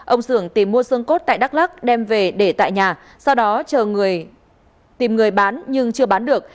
ông xưởng tìm mua xương cốt tại đắk lắc đem về để tại nhà sau đó chờ tìm người bán nhưng chưa bán được